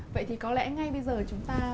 vậy thì có lẽ ngay bây giờ chúng ta